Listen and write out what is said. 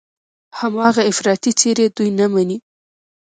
هماغه افراطي څېرې دوی نه مني.